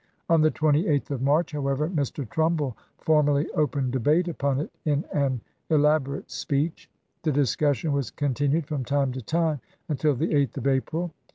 On the 28th of March, however, Mr. Trumbull formally opened debate upon it in an elaborate speech. The discus sion was continued from time to time until the 8th of April.